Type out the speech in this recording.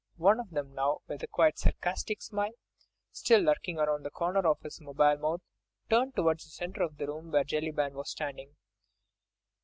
One of them now, with a quiet, sarcastic smile still lurking round the corners of his mobile mouth, turned towards the centre of the room where Mr. Jellyband was standing.